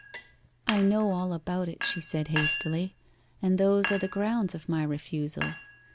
'I know all about it,' she said hastily; 'and those are the grounds of my refusal.